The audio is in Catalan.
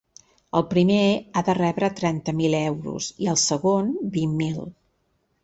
El primer ha de rebre trenta mil euros i el segon, vint mil.